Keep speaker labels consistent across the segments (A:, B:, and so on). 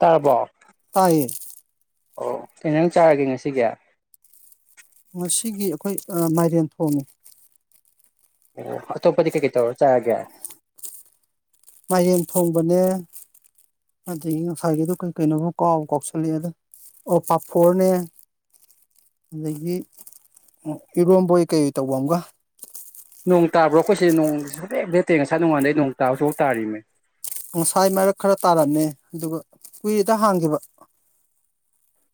A: ꯇꯥꯔꯕꯣꯛ
B: ꯇꯥꯏꯌꯦ
A: ꯑꯣ ꯀ ꯅꯪ ꯆꯥꯔꯒꯦ ꯉꯁꯤꯒꯤ
B: ꯁꯤꯒꯤ ꯑꯩꯈꯣꯏ ꯃꯥꯏꯔꯦꯟ ꯊꯣꯡꯅꯤ
A: ꯑꯣ ꯑꯣꯄꯗꯤ ꯀꯩ ꯀꯦ ꯇꯧꯔꯦ ꯇꯒꯦ
B: ꯃꯥꯏꯔꯦꯟ ꯊꯣꯡꯕꯅꯦ ꯑꯗꯒꯤ ꯉꯁꯥꯏꯒꯤꯗ ꯀꯩ ꯀꯩꯅꯣꯕꯨ ꯀꯥꯎꯕ ꯀꯥꯎꯁꯜꯂꯛꯑꯦ ꯑꯗ ꯑꯣ ꯄꯥꯐꯣꯔꯅꯦ ꯑꯗꯒꯤ ꯏꯔꯣꯝꯕꯣꯏ ꯀꯩ ꯇꯧꯕ ꯑꯃꯒ
A: ꯅꯣꯡ ꯇꯥꯕ꯭ꯔꯣ ꯑꯩꯈꯣꯏꯁꯦ ꯅꯣꯡꯦꯛ ꯍꯦꯠꯇꯦ ꯉꯁꯥꯏ ꯅꯣꯡꯉꯥꯟꯗꯩ ꯅꯣꯡ ꯇꯥꯕꯁꯨꯐ ꯇꯥꯔꯤꯃꯦ
B: ꯉꯁꯥꯏ ꯃꯔꯛ ꯈꯔ ꯇꯥꯔꯝꯃꯦ ꯑꯗꯨꯒ ꯀꯨꯏꯔꯤꯗ ꯍꯥꯡꯈꯤꯕ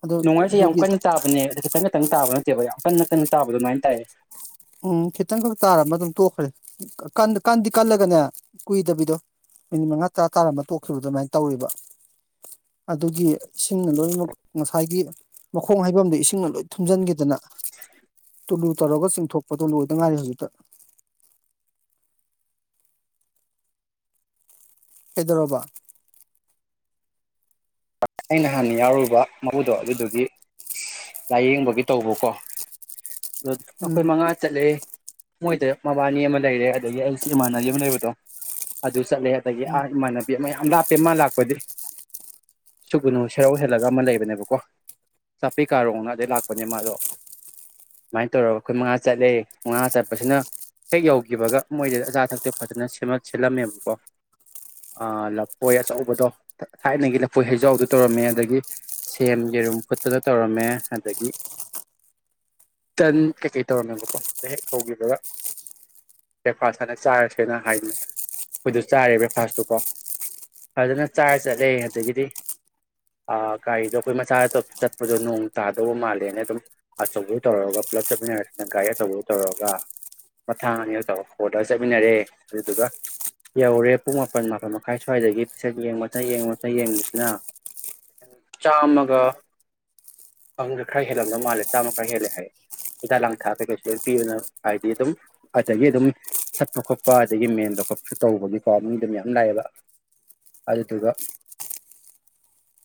B: ꯑꯗꯨ
A: ꯅꯨꯡꯉꯥꯏꯁꯦ ꯌꯥꯝ
B: ꯑꯗꯨꯒꯤ
A: ꯀꯟꯅ ꯇꯥꯕꯅꯦ ꯑ ꯈꯤꯇꯪ ꯈꯤꯇꯪ ꯇꯥꯕ ꯅꯠꯇꯦꯕ ꯌꯥꯝ ꯀꯟꯅ ꯀꯟꯅ ꯇꯥꯕ ꯑꯗꯨꯃꯥꯏꯅ ꯇꯥꯏꯌꯦ
B: ꯎꯝ ꯈꯤꯇꯪꯈꯛ ꯇꯥꯔꯝꯃ ꯑꯗꯨꯝ ꯇꯣꯛꯈ꯭ꯔꯦ ꯀꯥꯟꯗꯤ ꯀꯜꯂꯒꯅꯦ ꯀꯨꯏꯗꯕꯤꯗꯣ ꯃꯤꯅꯤꯠ ꯃꯉꯥ ꯇꯔꯥ ꯇꯥꯔꯝꯕ ꯇꯣꯛꯈꯤꯕ ꯑꯗꯨꯃꯥꯏꯅ ꯇꯧꯔꯤꯕ ꯑꯗꯨꯒꯤ ꯏꯁꯤꯡꯅ ꯂꯣꯏꯅꯃꯛ ꯉꯁꯥꯏꯒꯤ ꯃꯈꯣꯡ ꯍꯥꯏꯩꯐꯝꯗ ꯏꯁꯤꯡꯅ ꯂꯣꯏ ꯊꯨꯝꯖꯤꯟꯈꯤꯗꯅ
A: [unintelligible]
B: ꯇꯨꯂꯨ ꯇꯧꯔꯒ ꯆꯤꯡꯊꯣꯛ ꯄ ꯇꯣ ꯄꯠꯇ ꯉꯒꯥꯔꯤ ꯍꯧꯖꯤꯇ ꯍꯥꯏꯗ꯭ꯔꯕꯥ
A: ꯑꯩꯅ ꯍꯥꯟꯅ ꯌꯥꯎꯔꯨꯕ ꯃꯕꯨꯨꯗꯣ ꯑꯗꯨꯗꯨꯒꯤ ꯂꯥꯏꯌꯦꯡꯕꯒꯤ ꯇꯧꯕꯀꯣ ꯑ
B: ꯎꯝ
A: ꯑꯩꯈꯣꯏ ꯃꯉꯥ ꯆꯠꯂꯦ ꯃꯣꯏꯗ ꯃꯕꯥꯅꯤ ꯑꯃ ꯂꯩꯔꯦ ꯑꯗꯒꯤ ꯑꯩ ꯁꯤ ꯏꯃꯥꯟꯅ ꯑꯕꯤ ꯑꯃ ꯂꯩꯕꯗꯣ ꯑꯗꯨꯗꯨ ꯆꯠꯂꯗꯒꯤ
B: ꯎꯝ
A: ꯃꯥꯟꯅ ꯃꯌꯥꯝ ꯂꯥꯞꯄꯦ ꯃꯥ ꯂꯥꯛꯄꯗꯤ ꯁꯨꯒꯨꯅꯨ ꯁꯦꯔꯧ ꯍꯦꯜꯂꯒ ꯑꯃ ꯂꯩꯕꯅꯦꯕꯀꯣ ꯆꯥꯄꯤ ꯀꯥꯔꯣꯡꯅ ꯑꯗꯩ ꯂꯥꯛꯄꯅꯦ ꯃꯥꯗꯣ ꯑꯗꯨꯨꯃꯥꯏꯅ ꯇꯧꯔꯒ ꯑꯩꯈꯣꯏ ꯃꯉꯥ ꯆꯠꯂꯦ ꯃꯉꯥ ꯆꯠꯄꯁꯤꯅ ꯍꯦꯛ ꯌꯧꯈꯤꯕꯒ ꯃꯣꯏꯗ ꯑꯆꯥ ꯑꯊꯛꯇꯤ ꯐꯖꯅ ꯁꯦꯝꯃꯠ ꯁꯤꯜꯂꯝꯃꯦꯕꯀꯣ ꯂꯐꯣꯏ ꯑꯆꯧꯕꯗꯣ ꯊꯥꯏꯅꯒꯤ ꯑꯩꯈꯣꯏ ꯍꯩꯖꯥꯎꯗ ꯇꯧꯔꯝꯃꯦ ꯑꯗꯒꯤ ꯁꯦꯝ ꯌꯦꯔꯨꯝ ꯈꯨꯠꯇꯅ ꯇꯧꯔꯝꯃꯦ ꯑꯗꯒꯤ ꯇꯟ ꯀꯩꯀꯩ ꯇꯧꯔꯝꯃꯦꯕꯀꯣ ꯍꯦꯛ ꯍꯧꯔꯒ ꯕ꯭ꯔꯦꯛꯐꯥꯁ ꯍꯥꯟꯅ ꯆꯥꯔꯁꯦꯅ ꯍꯥꯏꯅꯦ ꯑꯩꯈꯣꯏꯗ ꯆꯥꯔꯦ ꯕ꯭ꯔꯦꯛꯐꯥꯁꯇꯨꯀꯣ ꯐꯖꯅ ꯆꯥꯔ ꯆꯠꯂꯦꯦ ꯑꯗꯒꯤꯗꯤ ꯒꯥꯔꯤꯗꯣ ꯑꯩꯈꯣꯏ ꯃꯆꯥ ꯑꯇꯣꯞ ꯆꯠꯄꯗꯣ ꯅꯣꯡ ꯇꯥꯗꯧꯕ ꯃꯥꯜꯂꯦꯅ ꯑꯗꯨꯝ ꯑꯆꯧꯕ ꯇꯧꯔꯒ ꯄꯨꯂꯞ ꯆꯠꯃꯤꯟꯅꯔꯁꯤꯅ ꯒꯥꯔꯤ ꯑꯆꯧꯕꯗꯨ ꯇꯧꯔꯒ ꯃꯊꯥꯡ ꯑꯅꯤꯒ ꯇꯧꯔꯒ ꯈꯣꯗꯒ ꯆꯠꯃꯤꯟꯅꯔꯦ ꯑꯗꯨꯗꯨꯒ ꯌꯧꯔꯦ ꯄꯨꯡ ꯃꯥꯄꯟ ꯃꯥꯄꯟ ꯃꯈꯥꯏ ꯁ꯭ꯋꯥꯏꯗꯒꯤ ꯄꯤꯁꯟ ꯌꯦꯡꯕ ꯃ ꯌꯦꯡꯕ ꯑ ꯌꯦꯡꯕꯁꯤꯅ ꯆꯥꯝꯃꯒ ꯈꯪꯗ ꯈꯔ ꯍꯦꯜꯂꯝꯗꯧ ꯃꯥꯜꯂꯦ ꯆꯥꯝꯃ ꯈꯔ ꯍꯦꯜꯂꯦ ꯍꯥꯏ ꯍꯤꯗꯥꯛ ꯂꯥꯡꯊꯛ ꯀꯩꯀꯩꯁꯨ ꯑꯗꯨ ꯄꯤꯌꯅ ꯍꯥꯏꯗꯤ ꯑꯗꯨꯝ ꯑꯗꯒꯤ ꯑꯗꯨꯝ ꯁꯠꯄ ꯈꯣꯠꯄ ꯑꯗꯨꯗꯒꯤ ꯃꯦꯟꯕ ꯈꯣꯠꯄꯁꯨ ꯇꯧꯕꯅꯤꯀꯣ ꯃꯤ ꯑꯗꯨ ꯌꯥꯝ ꯂꯥꯛꯑꯦꯕ ꯑꯗꯨꯗꯨꯒ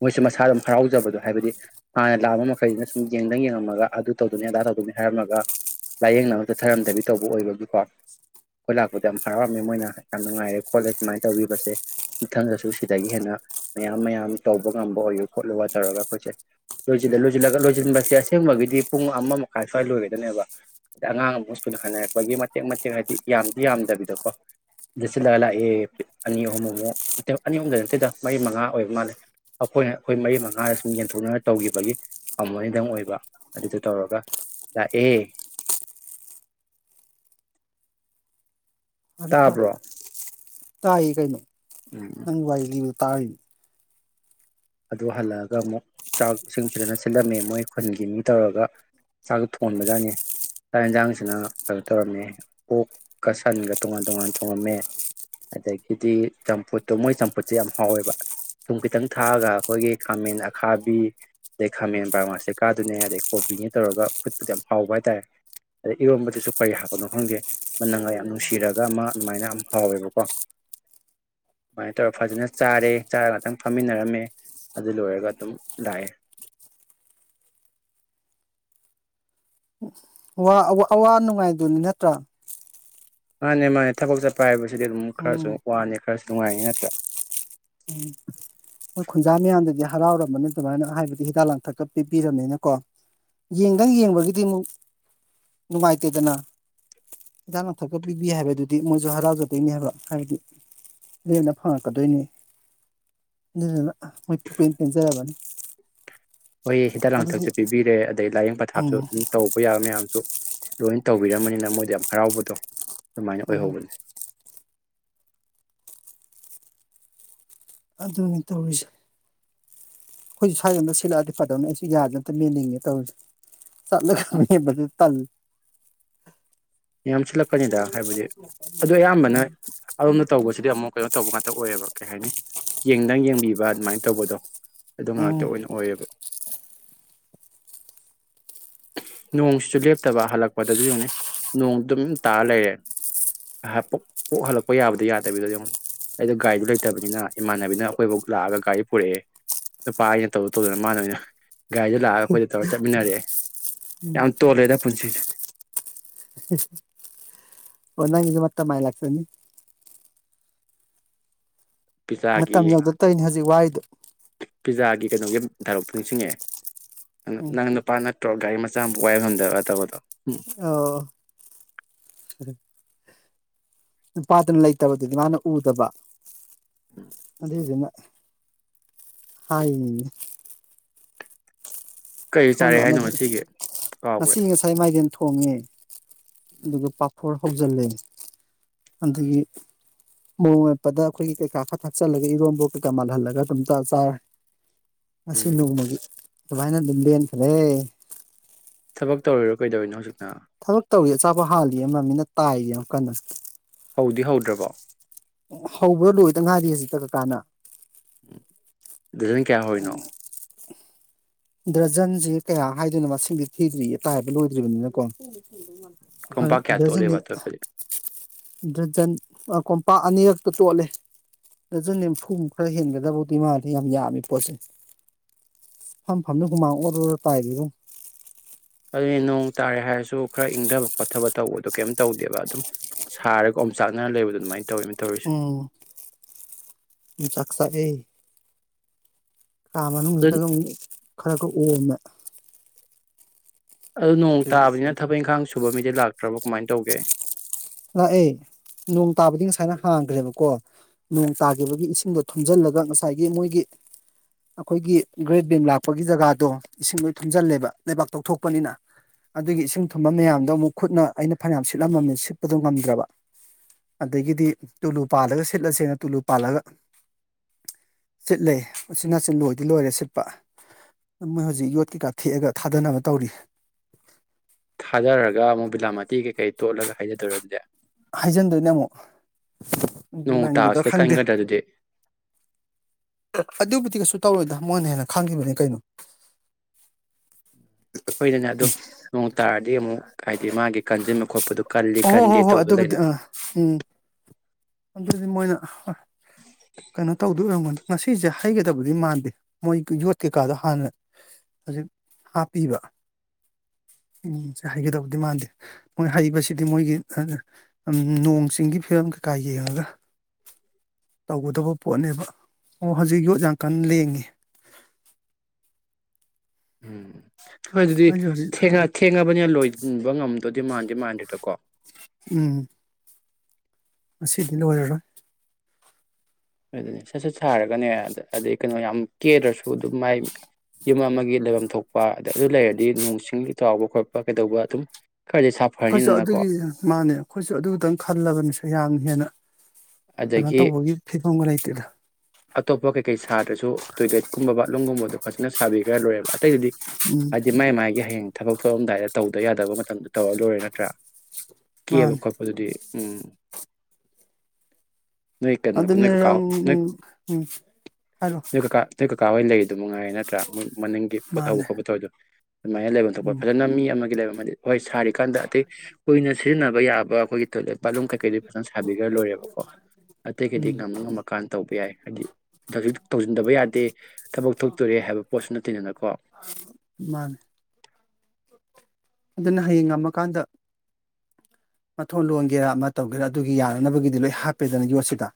A: ꯃꯣꯏꯁꯨ ꯃꯁꯥ ꯑꯗꯨꯝ ꯍꯔꯥꯎꯖꯕꯗꯣ ꯍꯥꯏꯕꯗꯤ ꯍꯥꯟꯅ ꯂꯥꯛꯑꯝꯕ ꯃꯈꯩꯁꯤꯅ ꯁꯨꯝ ꯌꯦꯡꯗꯪ ꯌꯦꯡꯉꯝꯃꯒ ꯑꯗꯨ ꯇꯧꯗꯣꯏꯅꯤ ꯑꯗꯥ ꯇꯧꯗꯣꯏꯅꯤ ꯍꯥꯏꯔꯝꯃꯒ ꯂꯥꯏꯌꯦꯡꯅꯕ ꯑꯃꯇ ꯊꯔꯝꯗꯕꯤ ꯇꯧꯕ ꯑꯣꯏꯕꯒꯤꯀꯣ ꯑꯩꯈꯣꯏ ꯂꯥꯛꯄꯗꯣ ꯌꯥꯝ ꯍꯔꯥꯎꯔꯝꯃꯦ ꯃꯣꯏꯅ ꯌꯥꯝ ꯅꯨꯡꯉꯥꯏꯔꯦ ꯈꯣꯠꯂꯦ ꯁꯨꯃꯥꯏꯅ ꯇꯧꯕꯕꯁꯦ ꯃꯊꯪꯗꯁꯨ ꯁꯤꯗꯒꯤ ꯍꯦꯟꯅ ꯃꯌꯥꯝ ꯃꯌꯥꯝ ꯇꯧꯕ ꯉꯝꯕ ꯑꯣꯏꯌꯨ ꯈꯣꯠꯂꯨ ꯇꯧꯔꯒ ꯑꯩꯈꯣꯏꯁꯦꯣꯏꯣꯏꯂ ꯂꯣꯏꯁꯤꯟꯕꯁꯦ ꯑꯁꯦꯡꯕꯒꯤꯗꯤ ꯄꯨꯡ ꯑꯃ ꯃꯈꯥꯏ ꯁ꯭ꯋꯥꯏ ꯂꯣꯏꯔꯦꯗꯅꯦꯕ ꯑ ꯑꯉꯥꯡ ꯑꯃ ꯁ꯭ꯀꯨꯜꯗ ꯍꯥꯏꯅꯔꯛꯄꯒꯤ ꯃꯇꯦꯛ ꯃꯇꯦꯛ ꯍꯥꯏꯗꯤ ꯌꯥꯝꯗꯤ ꯌꯥꯝꯗꯕꯤꯗꯀꯣꯗꯁꯤꯜꯂꯒ ꯂꯥꯛꯑꯦ ꯑꯅꯤ ꯑꯍꯨꯝꯃꯨꯛ ꯑꯅꯤ ꯑꯍꯨꯝꯗ ꯅꯠꯇꯦꯗ ꯃꯔꯤ ꯃꯉꯥ ꯑꯣꯏꯕ ꯃꯥꯜꯂꯦ ꯑꯩꯈꯣꯏꯅ ꯑꯩꯈꯣꯏ ꯃꯔꯤ ꯃꯉꯥꯗ ꯁꯨꯝ ꯌꯦꯟꯊꯣꯛꯅꯅ ꯇꯧꯈꯤꯕꯒꯤ ꯐꯅꯤꯗꯪ ꯑꯣꯏꯕ ꯑꯗꯨꯗ ꯇꯧꯔꯒ ꯂꯥꯛꯑꯦ
B: ꯑꯗꯦ ꯊꯔ
A: ꯇꯥꯕ꯭ꯔꯣ
B: ꯇꯥꯏ ꯀꯩꯅꯩꯅꯣ
A: ꯎꯝ
B: ꯅꯪ ꯋꯥꯏ ꯇꯥꯏ
A: ꯑꯗꯨ ꯍꯜꯂꯛꯑꯒ ꯑꯃꯨꯛ ꯆꯥꯛꯁꯤꯡ ꯐꯖꯅ ꯁꯤꯜꯂꯝꯃꯦ ꯃꯣꯏ ꯈꯨꯟꯒꯤ ꯃꯤ ꯇꯧꯔꯒ ꯆꯥꯛ ꯊꯣꯡꯕꯖꯥꯠꯅꯤ ꯆꯥꯛ ꯌꯦꯟꯁꯥꯡꯁꯤꯅ ꯀꯩꯅꯣ ꯇꯧꯔꯝꯃꯦ ꯑꯣꯛꯀ ꯁꯟꯒ ꯇꯣꯉꯥꯟ ꯇꯣꯉꯥꯟ ꯊꯣꯡꯉꯝꯃꯦ ꯑꯗꯒꯤꯗꯤ ꯆꯝꯐꯨꯠꯇꯣ ꯃꯣꯏ ꯆꯝꯐꯨꯠꯁꯦ ꯌꯥꯝ ꯍꯥꯎꯋꯦꯕ ꯑꯗꯨꯨꯝ ꯈꯤꯇꯪ ꯊꯥꯛꯑꯒ ꯑꯩꯈꯣꯏꯒꯤ ꯈꯥꯃꯦꯟ ꯑꯈꯥꯕꯤ ꯑꯗꯩ ꯈꯥꯃꯦꯟ ꯕꯔꯃꯥꯁꯤꯇꯀꯥꯗꯨꯅꯦ ꯑꯗꯩ ꯀꯣꯕꯤꯅꯦ ꯇꯧꯔꯒ ꯈꯨꯠꯄꯨꯗ ꯌꯥꯝ ꯍꯥꯎꯕ ꯍꯥꯏꯇꯥꯔꯦ ꯑꯗꯩ ꯏꯔꯣꯟꯝꯕꯗꯨꯁꯨ ꯀꯔꯤ ꯍꯥꯞꯄꯅꯣ ꯈꯪꯒꯦ ꯅꯪꯒ ꯌꯥꯝ ꯅꯨꯡꯁꯤꯔꯒ ꯑꯃ ꯑꯗꯨꯃꯥꯏꯅ ꯌꯥꯝ ꯍꯥꯎꯋꯦꯕꯀꯣ ꯑꯗꯨꯃꯥꯏꯅ ꯇꯧꯔ ꯐꯖꯅ ꯆꯥꯔꯦ ꯆꯥꯔ ꯉꯥꯛꯇꯪ ꯐꯝꯃꯤꯟꯅꯔꯝꯃꯦ ꯑꯗꯨ ꯂꯒ ꯑꯗꯨꯝ ꯏꯑꯦ
B: ꯑꯋꯥ ꯅꯨꯡꯉꯥꯏꯗꯨꯅꯤ ꯅꯠꯇ꯭ꯔꯥ
A: ꯃꯥꯅꯦ ꯃꯥꯅꯦ ꯊꯕꯛ ꯆꯠꯄ ꯍꯥꯏꯕꯁꯤꯗꯤ ꯑꯗꯨꯝ ꯈꯔꯁꯨ
B: ꯎꯝ
A: ꯋꯥꯅꯤ ꯈꯔꯁꯨ ꯅꯨꯡꯉꯥꯏꯅꯤ ꯅꯠꯇ꯭ꯔꯥ
B: ꯎꯝ ꯃꯣꯏ ꯈꯨꯟꯖꯥ ꯃꯌꯥꯝꯗꯗꯤ ꯍꯔꯥꯎꯔꯝꯕꯅꯤ ꯑꯗꯨꯃꯥꯏꯅ ꯍꯥꯏꯕꯗꯤ ꯍꯤꯗꯥꯛ ꯂꯥꯡꯊꯛꯀ ꯄꯤꯕꯤꯔꯕꯅꯤꯅꯀꯣ ꯌꯦꯡꯗꯪ ꯌꯦꯡꯕꯒꯤꯗꯤ ꯑꯃꯨꯛ ꯅꯨꯡꯉꯥꯏꯇꯦꯗꯅ ꯍꯤꯗꯥꯛ ꯂꯥꯡꯊꯛꯀ ꯄꯤꯕꯤ ꯍꯥꯏꯕꯗꯨꯗꯤ ꯃꯣꯏꯁꯨ ꯍꯔꯥꯎꯖꯗꯣꯏꯅꯦ ꯍꯥꯏꯕ ꯍꯥꯏꯕꯗꯤ ꯂꯦꯝꯅ ꯐꯪꯉꯛꯀꯗꯣꯏꯅꯤ ꯑꯗꯨꯅ ꯃꯣꯏ ꯄꯨ ꯄꯦꯟ ꯄꯦꯟꯖꯔꯕꯅꯤ
A: ꯍꯣꯏ ꯍꯤꯗꯥꯛ
B: ꯑꯗꯨꯗꯤ
A: ꯂꯥꯡꯊꯛꯁꯨ ꯄꯤꯕꯤꯔꯦ ꯑꯗꯩ ꯂꯥꯏꯌꯦꯡ ꯄꯊꯥꯞꯁꯨ
B: ꯎꯝ
A: ꯑꯗꯨꯝ ꯇꯧꯕ ꯌꯥꯕ ꯃꯌꯥꯝꯁꯨ ꯂꯣꯏ ꯇꯧꯕꯤꯔꯝꯃꯅꯤꯅ ꯃꯣꯏꯗ ꯌꯥꯝ ꯍꯔꯥꯎꯕꯗꯣ ꯑꯗꯨꯃꯥꯏꯅ
B: ꯎꯝ
A: ꯑꯣꯏꯍꯒꯅꯤ
B: ꯑꯗꯨꯅꯤ ꯇꯧꯔꯤꯁꯦ ꯑꯩꯈꯣꯏꯁꯨ ꯁ꯭ꯋꯥꯏꯗꯣꯝꯗ ꯁꯤꯠꯂꯛꯑꯗꯤ ꯐꯗꯧꯅꯦ ꯑꯩꯁꯨ ꯌꯥꯗ ꯑꯝꯇ ꯃꯦꯟꯅꯤꯡꯉꯦ ꯇꯧꯔꯤꯁꯦ ꯆꯠꯂꯒ ꯃꯦꯟꯕꯗꯨ ꯇꯜ
A: ꯌꯥꯝꯁꯤꯜꯂꯛꯀꯅꯤꯗ ꯍꯥꯏꯕꯗꯤ ꯑꯗꯨ ꯑꯌꯥꯝꯕꯅ
B: ꯎꯝ
A: ꯑꯗꯣꯝꯗ ꯇꯧꯕꯁꯤꯗꯤ ꯑꯃꯨꯛ ꯀꯩꯅꯣ ꯇꯧꯕ ꯉꯥꯛꯇ ꯑꯣꯏꯌꯦꯕ ꯀꯩ ꯍꯥꯏꯅꯤ ꯌꯦꯡꯗꯪ ꯌꯦꯡꯕꯤꯕ ꯑꯗꯨꯃꯥꯏꯅ ꯇꯧꯕꯗꯣ ꯑꯗꯨꯣ ꯉꯥꯛꯇ
B: ꯎꯝ
A: ꯑꯣꯏꯅ ꯑꯣꯏꯌꯦꯕ ꯅꯣꯡꯁꯤꯁꯨ ꯂꯦꯞꯇꯕ ꯍꯜꯂꯛꯄꯗꯁꯨ ꯌꯦꯡꯅꯤꯩ ꯅꯣꯡ ꯑꯗꯨꯝ ꯇꯥꯔ ꯂꯩꯔꯦ ꯄꯣꯛ ꯍꯜꯂꯛꯄ ꯌꯥꯕꯗꯤ ꯌꯥꯗꯕꯤꯗꯣ ꯌꯦꯡꯉ ꯑꯩꯗꯣ ꯒꯥꯔꯤꯗꯨꯣ ꯂꯩꯇꯕꯅꯤꯅ ꯏꯃꯥꯟꯅꯕꯤꯅ ꯑꯩꯈꯣꯏꯐꯥꯎ ꯂꯥꯛꯑꯒ ꯒꯥꯔꯤ ꯄꯨꯔꯛꯑꯦ ꯅꯨꯄꯥ ꯑꯩꯅ ꯇꯧꯗ ꯇꯧꯗꯅ ꯃꯥꯅꯕꯅ ꯒꯥꯔꯤꯗ ꯂꯥꯛꯑꯒ ꯑꯩꯈꯣꯏꯗ ꯇꯧꯔ ꯆꯠꯃꯤꯟꯅꯔꯛꯑꯦ
B: ꯎꯝ
A: ꯌꯥꯝ ꯇꯣꯜꯂꯦꯗ ꯄꯨꯟꯁꯤꯁꯦ
B: ꯑꯣ ꯅꯁꯨ ꯃ ꯃꯥꯏ ꯂꯥꯛꯁꯅꯤ
A: ꯄꯤꯖꯥꯒꯤ
B: ꯃꯇꯝ ꯌꯧꯗ ꯇꯧꯅꯤ ꯍꯧꯖꯤꯛ ꯋꯥꯏꯗꯨ
A: ꯄꯤꯖꯥꯒꯤ ꯀꯩꯅꯣꯒꯤ ꯊꯥꯔꯇꯣ ꯅꯤꯡꯁꯤꯡꯉꯛꯑꯦ
B: ꯎꯝ
A: ꯅꯪꯄꯥꯥꯠꯇꯣꯥꯏꯃ ꯆꯆꯥꯝ ꯄꯛꯥꯏꯏ ꯐꯝꯗꯕꯥ ꯇꯕꯗꯣ
B: ꯑꯣ ꯅꯨꯄꯥꯗꯨꯅ ꯂꯩꯇꯕꯗꯨꯗꯤ ꯃꯥꯅ ꯎꯗꯕ ꯑꯗꯨꯗꯁꯤꯅ ꯍꯥꯏ
A: ꯀꯩ
B: ꯁꯣꯟꯕ
A: ꯆꯥꯔꯦ
B: ꯑꯃ
A: ꯍꯥꯏꯅꯣ ꯉꯁꯤꯒꯤ
B: ꯉꯁꯤ
A: ꯀꯥꯎꯈ꯭ꯔꯦ
B: ꯉꯁꯥꯏ ꯃꯥꯏꯊꯦꯟ ꯀꯃꯦ ꯑꯗꯨꯗꯒꯤ ꯄꯥꯄꯣꯔ ꯍꯧꯖꯤꯜꯂꯦ ꯑꯗꯒꯤ ꯃꯑꯣꯡ ꯎꯠꯄꯗ ꯑꯩꯈꯣꯏꯒꯤ ꯀꯩꯀꯥ ꯈꯔ ꯊꯛꯆꯜꯂꯒ ꯏꯔꯣꯝꯝꯕ ꯀꯩꯀꯥ ꯃꯥꯜꯍꯜꯂꯒ ꯑꯗꯨꯝ ꯆ ꯆꯥꯔꯦ ꯃꯁꯤ
A: ꯎꯝ
B: ꯅꯣꯡꯃꯒꯤ ꯁꯃꯥꯏꯅꯜꯂꯤ ꯁꯤꯣꯏ
A: ꯊꯕꯛ ꯇꯧꯔꯤꯔꯣ ꯀꯩꯗꯧꯔꯤꯅꯣ ꯍꯧꯖꯤꯛꯅ
B: ꯊꯕꯛ ꯇꯧꯋ ꯑꯆꯥꯄ ꯍꯥꯜꯂꯤ ꯑꯃꯝ ꯃꯤꯅ ꯇꯥꯏꯌꯦ ꯑꯃꯨꯛ ꯀꯟꯅ
A: ꯍꯧꯗꯤ ꯍꯧꯗ꯭ꯔꯕꯣ
B: ꯍꯧꯕ꯭ꯔ ꯂꯣꯏꯗ ꯉꯥꯏꯗꯤ ꯍꯧꯖꯤꯛꯇ ꯀꯀꯥꯅ
A: ꯗꯤꯖꯥꯏꯟ ꯀꯌꯥ ꯑꯣꯏꯔꯤꯅꯣ
B: ꯗ꯭ꯔꯖꯟꯁ ꯀꯌꯥ ꯍꯥꯏꯗꯣꯏꯅ ꯃꯁꯤꯡꯗꯤ ꯊꯤꯗ꯭ꯔꯤ ꯑꯇꯥꯏꯕ ꯂꯣꯏꯗ꯭ꯔꯤꯕꯅꯤꯅꯀꯣ
A: ꯀꯣꯝꯄꯥꯛ ꯀꯌꯥ
B: ꯍꯥꯏ ꯁꯅꯤ
A: ꯇꯣꯠꯂꯦꯕ ꯑꯇꯣꯞꯄꯗꯤ
B: ꯗꯖꯟ ꯀꯣꯝꯄꯥꯛ ꯑꯅꯤꯔꯛꯇ ꯇꯣꯠꯂꯦ ꯗꯖꯟ ꯅꯤꯐꯨꯃꯨꯛ ꯈꯔ ꯍꯦꯟꯒꯗꯕꯗꯤ ꯃꯥꯗꯤ ꯌꯥꯝ ꯌꯥꯝꯃꯤ ꯄꯣꯠꯁꯦ ꯐꯝ ꯐꯝꯗꯨ ꯍꯨꯃꯥꯡ ꯑꯣꯔꯔꯣ ꯇꯥꯏꯔꯤꯕꯕꯨꯣ
A: ꯑꯗꯨꯗꯤ ꯅꯣꯡ ꯇꯥꯔꯦ ꯍꯥꯏꯔꯁꯨ ꯈꯔ ꯏꯪꯊꯕ ꯈꯣꯠꯊꯕ ꯇꯧꯕꯗꯣ ꯀꯩꯝꯇ ꯇꯧꯗꯦꯕ ꯑꯗꯨꯝ ꯁꯥꯔꯒ ꯑꯃꯝ ꯆꯥꯛꯅꯅ ꯂꯩꯕ ꯑꯗꯨꯃꯥꯏꯅ ꯇꯧꯋꯦꯅ ꯇꯧꯔꯤꯁꯦ
B: ꯎꯝ ꯎ ꯆꯥꯛꯁ ꯀꯥ
A: ꯑꯗꯨ
B: ꯃꯅꯨꯡꯁꯤꯛꯇꯒ ꯈꯔ ꯈꯔ ꯎꯝꯃꯦ
A: ꯑꯗꯨꯣ ꯅꯣꯡ ꯇꯥꯕꯅꯤꯅ ꯊꯕꯛ ꯏꯪꯈꯥꯡꯁꯨ ꯊꯨꯕ ꯃꯤꯗꯤ ꯂꯥꯛꯇ꯭ꯔꯕ ꯀꯃꯥꯏꯅ ꯇꯧꯒꯦ
B: ꯂꯥꯛꯑꯦ ꯅꯣꯡ ꯇꯥꯕꯗꯤ ꯉꯁꯥꯏꯅ ꯍꯥꯡꯈ꯭ꯔꯦꯕꯀꯣ ꯅꯣꯡ ꯇꯥꯈꯤꯕꯒꯤ ꯏꯁꯤꯡꯗꯣ ꯊꯨꯝꯖꯤꯜꯂꯒ ꯉꯁꯥꯏꯒꯤ ꯃꯣꯏꯒꯤ ꯑꯩꯈꯣꯏꯒꯤ ꯒ꯭ꯔꯦꯠ ꯕꯦꯝ ꯂꯥꯛꯄꯒꯤ ꯖꯒꯥꯗꯣ ꯏꯁꯤꯡꯗꯣꯏ ꯊꯨꯝꯖꯤꯜꯂꯦꯕ ꯂꯩꯕꯥꯛ ꯇꯧꯊꯣꯛꯄꯅꯤꯅ ꯑꯗꯨꯒꯤ ꯏꯁꯤꯡ ꯊꯨꯝꯕ ꯃꯌꯥꯝꯗꯣ ꯑꯃꯨꯛ ꯈꯨꯠꯅ ꯑꯩꯅ ꯐꯅꯌꯥꯝ ꯁꯤꯠꯂꯝꯃꯝꯃꯦ ꯠꯄ ꯑꯗꯨ ꯉꯝꯗ꯭ꯔꯕ ꯑꯗꯒꯤꯗꯤ ꯇꯨꯂꯨ ꯄꯥꯜꯂꯒ ꯁꯤꯠꯂꯁꯦꯅ ꯇꯨꯂꯨ ꯄꯥꯜꯂꯒ ꯁꯤꯠꯂꯦ ꯑꯁꯤꯅꯆꯤꯟ ꯂꯣꯏꯗꯤ ꯂꯣꯏꯔꯦ ꯁꯤꯠꯄ ꯃꯣꯏ ꯍꯧꯖꯤꯛ ꯌꯣꯠ ꯀꯩꯀꯥ ꯊꯦꯛꯑꯒ ꯊꯥꯗꯅꯕ ꯇꯧꯔꯤ
A: ꯊꯥꯗꯔꯒ ꯑꯃꯨꯛ ꯕꯤꯂꯥꯃꯥꯇꯤ ꯀꯩꯀꯩ ꯇꯣꯠꯂꯒ ꯍꯥꯏꯖꯗꯣꯏꯔꯦ ꯑꯗꯨꯗꯤ
B: ꯍꯥꯏꯖꯤꯟꯗꯣꯏꯅꯦ ꯑꯃꯨꯛ ꯎ
A: ꯅꯣꯡ
B: ꯅꯪꯒꯤꯗꯣ
A: ꯇꯥꯕꯁꯤꯗ
B: ꯈꯪꯗꯦ
A: ꯀꯟꯒꯗ꯭ꯔꯥ ꯑꯗꯨꯗꯤ
B: ꯑꯗꯨꯕꯨꯗꯤ ꯀꯩꯁꯨ ꯇꯧꯔꯣꯏꯗ ꯃꯣꯏꯅ ꯍꯦꯟꯅ ꯈꯪꯈꯤꯕꯅꯤ ꯀꯩꯅꯣ
A: ꯍꯣꯏꯗꯅꯦ ꯑꯗꯨ ꯅꯣꯡ ꯇꯥꯔꯗꯤ ꯑꯃꯨꯛ ꯍꯥꯏꯗꯤ ꯃꯥꯒꯤ ꯀꯟꯁꯤꯟꯕ ꯈꯣꯠꯄꯗꯨ ꯀꯜꯂꯤ
B: ꯑꯣꯍꯣ ꯍꯣ
A: ꯀꯟꯗꯦ
B: ꯍꯣ ꯍꯣꯏ
A: ꯇꯧꯕ
B: ꯑꯗꯨꯕꯨꯗꯤ
A: ꯂꯩꯅ
B: ꯑꯥ ꯑ ꯀꯩꯅꯣ ꯇꯧꯗꯣꯏꯔꯒꯅꯤ ꯉꯁꯤꯁꯦ ꯍꯩꯒꯗꯕꯗꯤ ꯃꯥꯟꯗꯦ ꯃꯣꯏꯒꯤ ꯌꯣꯠ ꯀꯩꯀꯥꯗꯣ ꯍꯥꯟꯅ ꯍꯧꯖꯤꯛ ꯍꯥꯞꯄꯤꯕ ꯎ ꯁꯦ ꯍꯩꯒꯗꯕꯗꯤ ꯃꯥꯟꯗꯦ ꯃꯣꯏ ꯍꯩꯕꯁꯤꯗꯤ ꯃꯣꯏꯒꯤ ꯅꯣꯡ ꯆꯤꯡꯒꯤ ꯐꯤꯕꯝ ꯀꯩꯀꯥ ꯌꯦꯡꯉꯒ ꯇꯧꯒꯗꯕ ꯄꯣꯠꯅꯦꯕ ꯑꯣ ꯍꯧꯖꯤꯛ ꯌꯣꯠ ꯌꯥꯝꯡ ꯀꯥꯟ ꯂꯦꯡꯉꯤ
A: ꯑꯗꯨ ꯑꯗꯨꯗꯤ
B: ꯑꯩꯁꯨ ꯍꯧꯖꯤꯛ
A: ꯊꯉ ꯊꯦꯡꯉꯕꯅꯤꯅ ꯂꯣꯏꯕ ꯉꯝꯗ ꯑꯣꯗꯤ ꯃꯥꯟꯁꯦ ꯃꯥꯟꯦꯇꯀꯣ
B: ꯎꯝ ꯃꯁꯤ ꯁꯤꯗꯤ ꯋꯥꯔꯤꯔꯔꯕ
A: ꯍ ꯁ ꯊꯥꯔꯒꯅꯦ ꯑꯗꯩ ꯀꯩꯅꯣ ꯌꯥꯝ ꯀꯦꯗ꯭ꯔꯁꯨ ꯑꯗꯨꯝ ꯃꯥꯏ ꯌꯨꯝ ꯑꯃꯒꯤ ꯂꯩꯐꯝ ꯊꯣꯛꯄ ꯑꯗ ꯑꯗꯨ ꯂꯩꯔꯗꯤ ꯅꯣꯡ ꯆꯤꯡ ꯆꯥꯎꯕ ꯈꯣꯠꯄ ꯀꯩꯗꯧꯕ ꯑꯗꯨꯝ ꯈꯔꯗꯤ
B: ꯑꯩꯈꯣꯏꯁꯨ
A: ꯁꯥꯐꯔꯅꯤꯗꯅꯀꯣ
B: ꯑꯗꯨꯒꯤ ꯃꯥꯅꯦ ꯑꯩꯈꯣꯏꯁꯨ ꯑꯗꯨꯇꯪ ꯈꯜꯂꯕꯅꯤ ꯌꯥꯝ ꯍꯦꯟꯅ ꯀꯩꯅꯣ
A: ꯑꯗꯒꯤ
B: ꯇꯧꯕꯒꯤ ꯐꯤꯕꯝꯒ ꯂꯩꯇꯦꯗ
A: ꯑꯇꯣꯞꯄ ꯀꯩꯀꯩ ꯁꯥꯗ꯭ꯔꯁꯨ ꯇꯣꯏꯂꯦꯠ ꯀꯧꯝꯕ ꯕꯠꯔꯨꯝꯒꯨꯝꯕꯗꯣ ꯐꯖꯅ ꯁꯥꯕꯤꯈ꯭ꯔ ꯂꯣꯏꯔꯦꯕ ꯑꯇꯩꯗꯗꯤ
B: ꯎꯝ
A: ꯑꯗꯨꯗꯤ ꯃꯥꯏ ꯃꯥꯒꯤ ꯍꯌꯦꯡ ꯊꯕꯛ ꯊꯣꯛꯑꯝꯗꯥꯏꯗ ꯇꯧꯗ ꯌꯥꯗꯕ ꯃꯇꯝꯗ ꯇꯧꯔ ꯂꯣꯏꯔꯦ ꯅꯠꯇ꯭ꯔꯥ ꯀꯦꯕ
B: ꯃꯥꯅꯦ
A: ꯈꯣꯠꯄꯗꯨꯗꯤ ꯑꯗ ꯎꯝ ꯅꯣꯏ ꯀꯩꯅꯣ ꯅꯣꯏ ꯀꯀꯥ
B: ꯑꯗꯨꯅꯤꯔꯪ
A: ꯅꯣꯏ
B: ꯎꯝ ꯍꯥꯏꯔꯣ
A: ꯅꯣꯏ ꯀꯀꯥ ꯅꯣꯏ ꯀꯀꯥ ꯍ ꯑꯣꯏꯅ ꯂꯩꯗ ꯃꯉꯥꯏꯔꯦ ꯅꯠꯇ꯭ꯔꯥ ꯃꯣꯏ ꯃꯅꯤꯡꯒꯤ ꯄꯣꯠ ꯊꯧꯕ
B: ꯃꯥꯅꯦ
A: ꯈꯣꯠꯄ ꯊꯗꯣ ꯑꯗꯨꯃꯥꯏꯅ ꯂꯩꯐꯝ ꯊꯣꯛꯄ
B: ꯎꯝ
A: ꯐꯖꯅ ꯃꯤ ꯑꯃꯒꯤ ꯂꯩꯐꯝ ꯑꯃꯗꯤ ꯍꯣꯏ ꯁꯥꯔꯤꯀꯥꯟꯗ ꯑꯇꯩ ꯀꯨꯏꯅ ꯁꯤꯖꯤꯟꯅꯕ ꯌꯥꯕ ꯑꯩꯈꯣꯏꯒꯤ ꯇꯣꯏꯂꯦꯠ ꯄꯥꯠꯨꯝ ꯀꯩ ꯐꯖ ꯁꯥꯕꯤꯔ ꯂꯣꯏꯦꯕ ꯑꯇꯩꯒꯩꯗꯤ ꯉ
B: ꯎꯝ
A: ꯉꯝꯃꯀꯥꯟꯗ ꯇꯧꯕ ꯌꯥꯏ ꯍꯥꯏꯗꯤ ꯇꯕ ꯕ ꯌꯥꯗꯦ ꯊꯕꯛ ꯊꯣꯛꯇꯣꯔꯦ ꯍꯥꯏꯕ ꯄꯣꯠꯁꯨ ꯅꯠꯇꯦꯗꯅꯀꯣ
B: ꯃꯥꯅꯦ ꯑꯗꯨꯅ ꯍꯌꯦꯡ ꯉꯝꯃꯀꯥꯟꯗ ꯃꯊꯣꯟ ꯂꯣꯟꯒꯦꯔꯥ ꯑꯃ ꯇꯧꯒꯦꯔꯥ ꯑꯗꯨꯒꯤ ꯌꯥꯅꯅꯕꯒꯤꯗꯤ ꯂꯣꯏ ꯍꯥꯞꯄꯦꯗꯅ ꯌꯣꯠꯁꯤꯗ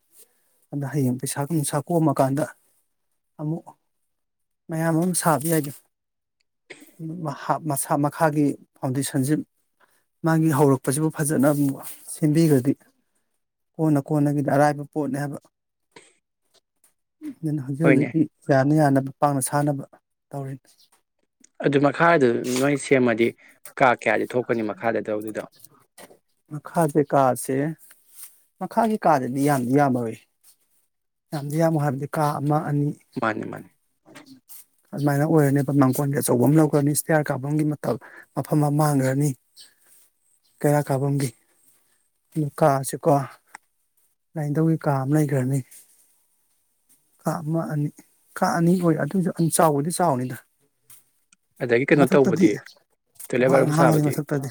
B: ꯑꯗꯨꯗ ꯍꯌꯦꯡ ꯄꯩꯁꯥꯒ ꯅꯨꯡꯁꯥ ꯀꯣꯛꯑ ꯀꯥꯟꯗ ꯑꯃꯨꯛ ꯃꯌꯥꯝ ꯑꯃꯨ ꯁꯥꯕ ꯌꯥꯏꯗ ꯃꯁꯥ ꯃꯈꯥꯒꯤ ꯐꯥꯎꯟꯗꯦꯁꯟꯁꯤ ꯃꯥꯒꯤ ꯍꯧꯔꯛꯄꯁꯤꯕꯨ ꯐꯖꯅ ꯑꯃꯨꯛ ꯁꯦꯝꯕꯤꯈ꯭ꯔꯗꯤ ꯀꯣꯟꯅ ꯀꯣꯟꯅꯒꯤꯗꯤ ꯑꯔꯥꯏꯕ ꯄꯣꯠꯅꯦ ꯍꯥꯏꯕ ꯑꯗꯨ ꯍꯧꯖꯤꯛ
A: ꯍꯣꯏꯅꯦ
B: ꯍꯧꯖꯤꯛꯀꯤ ꯌꯥꯅ ꯌꯥꯅꯕ ꯄꯥꯛꯅ ꯁꯥꯟꯅꯕ ꯇꯧꯔꯤꯅꯤ
A: ꯑꯗꯨ ꯃꯈꯥꯗꯨ ꯅꯣꯏ ꯁꯦꯝꯃꯗꯤ
B: ꯑ
A: ꯀꯥ ꯀꯌꯥꯗꯤ ꯊꯣꯛꯀꯅꯤ ꯃꯈꯥꯗ ꯇꯧꯗꯣꯏꯗꯣ
B: [unintelligible] ꯃꯈꯥꯒꯤ ꯀꯥꯗꯗꯤ ꯌꯥꯝꯗꯤ ꯌꯥꯝꯃꯔ‌ꯣꯏ ꯌꯥꯝꯗꯤ ꯌꯥꯝꯃꯣꯏ ꯍꯥꯏꯕꯗꯤ ꯀꯥ ꯑꯃ ꯑꯅꯤ
A: ꯃꯥꯅꯤ ꯃꯥꯅꯤ
B: ꯑꯗꯨꯃꯥꯏꯅ ꯑꯣꯏꯔꯅꯦꯕ ꯃꯥꯡꯒꯣꯟꯒꯤ ꯑꯆꯧꯕ ꯑꯃ ꯂꯧꯈ꯭ꯔꯅꯤ ꯏꯁꯇꯤꯌꯥꯔ ꯀꯥꯐꯝꯒꯤ ꯃꯇꯝ ꯃꯐꯝ ꯑꯃ ꯃꯥꯡꯈ꯭ꯔꯅꯤ ꯀꯩꯔꯥꯛ ꯀꯥꯐꯝꯒꯤ ꯑꯗꯨ ꯀꯥꯁꯤꯀꯣ ꯂꯥꯏꯅꯤꯟꯙꯧꯒꯤ ꯀꯥ ꯑꯃ ꯂꯩꯈ꯭ꯔꯅꯤ ꯀꯥ ꯑꯃ ꯑꯅꯤ ꯀꯥ ꯑꯅꯤ ꯑꯣꯏ ꯑꯗꯨꯁꯨ ꯑꯗꯨꯝ ꯆꯥꯎꯕꯗꯤ ꯆꯥꯎꯅꯤꯗ
A: ꯑꯗꯒꯤ ꯀꯩꯅꯣ
B: ꯃꯊꯛꯇꯗꯤ
A: ꯇꯧꯕꯗꯤ ꯇꯣꯏꯂꯦꯠ
B: ꯄꯨꯍꯥꯡ
A: ꯕꯥꯠꯔꯨꯝ
B: ꯍꯥꯡꯉꯅꯤ
A: ꯁꯥꯕꯗꯤ
B: ꯃꯊꯛꯇꯗꯤ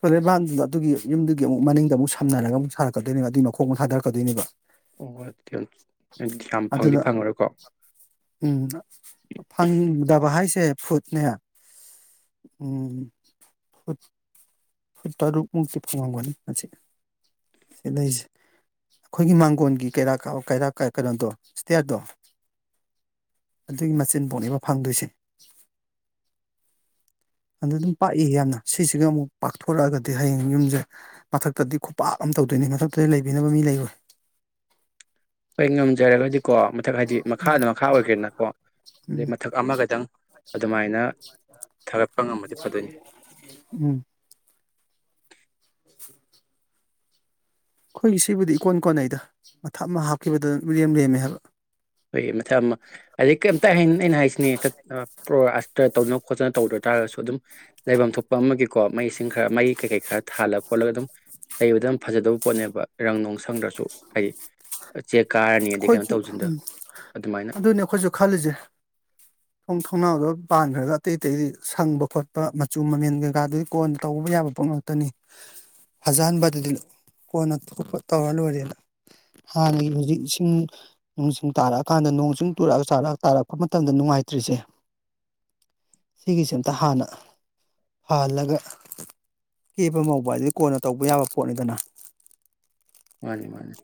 B: ꯐꯣꯔꯦꯟꯕꯥꯟꯗꯨꯗ ꯑꯗꯨꯒꯤ ꯌꯨꯝꯗꯨꯒꯤ ꯑꯃꯨꯛ ꯃꯅꯤꯡ ꯑꯗꯨꯛ ꯁꯝꯅꯔꯒ ꯑꯃꯨꯛ ꯁꯥꯛꯀꯗꯣꯏꯅꯦ ꯑꯗꯨꯒꯤ ꯃꯈꯣꯡ ꯑꯃ ꯊꯥꯗꯔꯛꯀꯗ‌ꯣꯏꯅ‌ꯦꯕ
A: ꯑꯣ ꯌꯥꯝ ꯐꯪꯗꯤ
B: ꯑꯗꯨꯅ
A: ꯐꯪꯉꯔꯣꯏꯀꯣ
B: ꯎꯝ ꯐꯪꯗꯕ ꯍꯥꯏ ꯍꯥꯏꯁꯦ ꯐꯨꯠꯅꯦ ꯐꯨꯠ ꯐꯨꯠ ꯇꯔꯨꯛ ꯃꯨꯛꯇꯤ ꯐꯪꯉꯥꯡꯒꯅꯤ ꯃꯁꯤ ꯁꯤ ꯂꯩꯁꯦ ꯑꯩꯈꯣꯏꯒꯤ ꯃꯥꯡꯒꯣꯟꯒꯤ ꯀꯩꯔꯛ ꯀꯔꯛ ꯀꯩꯅꯣꯗꯣ ꯏꯁꯇꯤꯌꯥꯔꯗꯣ ꯑꯗꯨꯒꯤ ꯃꯆꯤꯟ ꯄꯣꯛꯅꯦꯕ ꯐꯪꯗꯣꯏꯁꯦ ꯑꯗꯨꯗ ꯑꯗꯨꯝ ꯄꯥꯛꯏ ꯌꯥꯝꯅ ꯁꯤꯁꯤꯒ ꯑꯃꯨꯛ ꯄꯥꯛꯊꯣꯔꯛꯑꯒꯗꯤ ꯍꯌꯦꯡ ꯌꯨꯝꯁꯦ ꯃꯊꯛꯇꯗꯤ ꯈꯨꯄꯥꯛ ꯑꯃ ꯇꯧꯗꯣꯏꯅꯦ ꯃꯊꯛꯇꯗꯤ ꯂꯩꯕꯤꯅꯕ ꯃꯤ ꯂꯩꯔꯣꯏ
A: ꯍꯣꯏ ꯉꯝꯖꯔꯒꯗꯤꯀꯣ ꯃꯊꯛ ꯍꯥꯏꯗꯤ
B: ꯎꯝ
A: ꯃꯈꯥꯗ ꯃꯈꯥ ꯑꯣꯏꯒꯦꯅꯀꯣ ꯑꯗꯩ
B: ꯎꯝ
A: ꯃꯊꯛ ꯑꯃꯒꯗꯪ ꯑꯗꯨꯃꯥꯏꯅ ꯊꯥꯒꯠ
B: [unintelligible] ꯎꯝ ꯑꯩꯈꯣꯏꯒꯤ ꯁꯤꯕꯨꯗꯤ ꯏꯀꯣꯟ ꯀꯣꯟꯅꯩꯗ ꯃꯊꯞ ꯑꯃ ꯍꯥꯞꯈꯤꯕꯗ ꯏꯔꯦꯝ ꯂꯦꯝꯃꯦ ꯍꯥꯏꯕ
A: ꯍꯣꯏ ꯃꯊꯛ ꯑꯃ ꯑꯗꯩ ꯀꯩꯝꯇ ꯑꯩꯅ ꯍꯥꯏꯁꯤꯅꯦ ꯄ꯭ꯔꯣꯁꯇ ꯇꯧꯅ ꯈꯣꯠꯇꯅ ꯇꯧꯗ ꯇꯥꯔꯒꯁꯨ ꯑꯗꯨꯝ ꯂꯩꯐꯝ ꯊꯣꯛꯄ ꯑꯃꯒꯤꯀꯣ ꯃꯩꯁꯤꯡ ꯈꯔ ꯃꯩ ꯀꯩꯀꯩ ꯈꯔ ꯊꯥꯜꯂ ꯈꯣꯠꯂꯒ ꯑꯗꯨꯝ ꯂꯩꯕꯗ ꯌꯥꯝ ꯐꯖꯗ‌ꯣꯕ ꯄꯣꯠꯅꯦꯕ ꯔꯪ ꯅꯨꯡ ꯁꯪꯗ꯭ꯔꯁꯨ ꯍꯥꯏꯗꯤ ꯆꯦꯛ ꯀꯥꯔꯅꯤꯗꯤ ꯀꯩꯅꯣ
B: ꯑꯩꯈꯣꯏꯁꯨ
A: ꯇꯧꯁꯤꯟꯗꯣ ꯑꯗꯨꯃꯥꯏꯅ
B: ꯑꯗꯨꯅꯦ ꯑꯩꯈꯣꯏꯁꯨ ꯈꯜꯂꯤꯁꯦ ꯊꯣꯡ ꯊꯣꯡꯅꯥꯎꯗ ꯄꯥꯟꯈ꯭ꯔꯒ ꯑꯇꯩ ꯑꯇꯩꯗꯤ ꯁꯪꯕ ꯈꯣꯠꯄ ꯃꯆꯨ ꯃꯃꯦꯟ ꯀꯩꯀꯥꯗꯨꯗꯤ ꯀꯣꯟꯅ ꯇꯧꯕ ꯌꯥꯕ ꯄꯣꯠ ꯉꯥꯛꯇꯅꯤ ꯐꯖꯍꯟꯕꯗꯨꯗꯤ ꯀꯣꯟꯅ ꯈꯣꯠꯄ ꯇꯧꯔ ꯂꯣꯏꯔꯦꯅ ꯍꯥꯟꯅꯒꯤ ꯍꯧꯖꯤꯛ ꯆꯤꯡ ꯅꯨꯡꯁꯤꯡ ꯇꯥꯔꯛꯑꯀꯥꯟꯗ ꯅꯣꯡ ꯆꯤꯡ ꯇꯨꯔꯛꯑꯒ ꯆꯥꯔꯛꯑ ꯇꯥꯔꯛꯄ ꯃꯇꯝꯗ ꯅꯨꯡꯉꯥꯏꯇ꯭ꯔꯤꯁꯦ ꯁꯤꯒꯤꯁꯦ ꯑꯝꯇ ꯍꯥꯟꯅ ꯐꯍꯜꯂꯒ ꯀꯦꯕ ꯉꯧꯕ ꯍꯥꯏꯗꯤ ꯀꯣꯟꯅ ꯇꯧꯕ ꯌꯥꯕ ꯄꯣꯠꯅꯤꯗꯅ
A: ꯃꯥꯅꯤ ꯃꯥꯅꯤ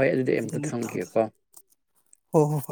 A: ꯍꯣꯏ ꯑꯗꯨꯗꯤ ꯑꯝꯇ
B: ꯑꯗꯨꯅꯤ ꯇꯧꯗꯣꯏꯁꯦ
A: ꯊꯝꯈꯤꯒ‌ꯦꯀꯣ
B: ꯍꯣ ꯍꯣ ꯍꯣꯏ